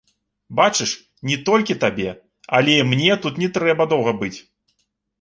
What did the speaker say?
Бачыш, не толькі табе, але і мне тут не трэба доўга быць.